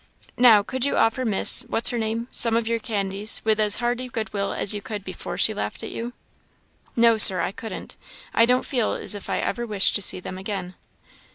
Now, could you offer Miss what's her name? some of your candies with as hearty goodwill as you could before she laughed at you?" "No, Sir, I couldn't. I don't feel as if I ever wished to see them again."